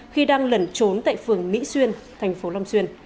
khi đang lẩn trốn tại phường mỹ xuyên thành phố long xuyên